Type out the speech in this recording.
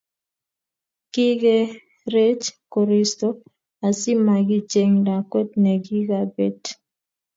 Kikerech koristo asimakicheng lakwet nekikabet